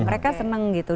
mereka seneng gitu